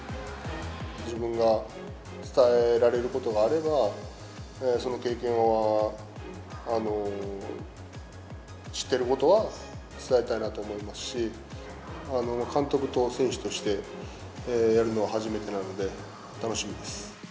自分が伝えられることがあれば、その経験は、知ってることは伝えたいなと思いますし、監督と選手として、やるのは初めてなので、楽しみです。